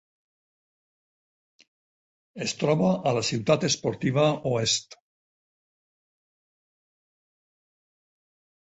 Es troba a la Ciutat Esportiva Oest.